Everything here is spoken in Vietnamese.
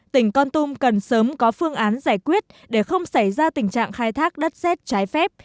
tỉnh con tum cần sớm có phương án giải quyết để không xảy ra tình trạng khai thác đất xét trái phép